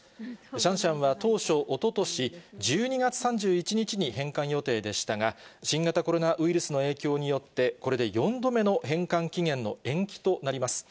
シャンシャンは当初、おととし１２月３１日に返還予定でしたが、新型コロナウイルスの影響によって、これで４度目の返還期限の延期となります。